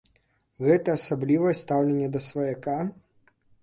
Гэта асаблівае стаўленне да сваяка?